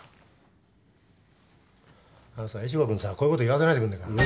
あのさ越後君さこういうこと言わせないでくんねぇかな。